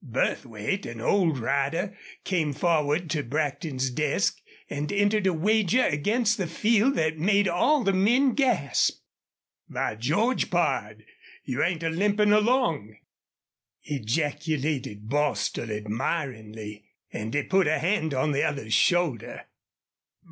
Burthwait, an old rider, came forward to Brackton's desk and entered a wager against the field that made all the men gasp. "By George! pard, you ain't a limpin' along!" ejaculated Bostil, admiringly, and he put a hand on the other's shoulder.